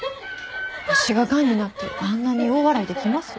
推しががんになってあんなに大笑いできます？